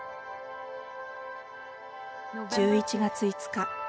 １１月５日。